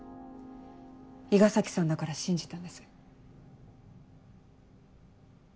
伊賀崎さんだから信じたんです。